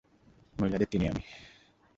মহিলাদের চিনি আমি।